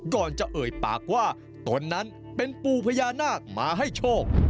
ก่อนจะเอ่ยปากว่าตนนั้นเป็นปู่พญานาคมาให้โชค